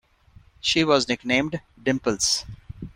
She was nicknamed "Dimples".